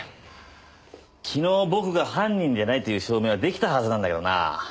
昨日僕が犯人じゃないという証明は出来たはずなんだけどなぁ。